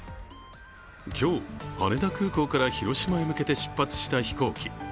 今日、羽田空港から広島へ向けて出発した飛行機。